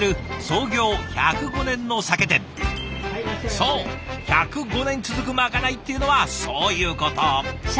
そう１０５年続くまかないっていうのはそういうこと。